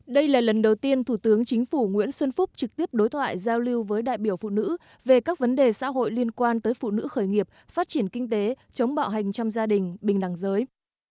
đây là lần đầu tiên thủ tướng chính phủ nguyễn xuân phúc trực tiếp đối thoại giao lưu với đại biểu phụ nữ về các vấn đề xã hội liên quan tới phụ nữ khởi nghiệp phát triển kinh tế chống bạo hành trong gia đình bình đẳng giới